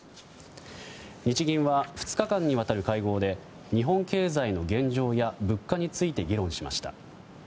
日銀は、２日間にわたる会合で日本経済の現状や物価について議論しました。